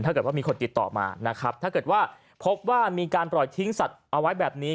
ถ้าเกิดว่ามีคนติดต่อมานะครับถ้าเกิดว่าพบว่ามีการปล่อยทิ้งสัตว์เอาไว้แบบนี้